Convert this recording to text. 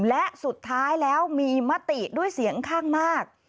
และสุดท้ายแล้วมีมติด้วยเสียงข้างมาก